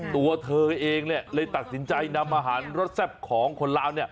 ตัวเธอเองเลยตัดสินใจนำอาหารรสแซ่บของคนลาว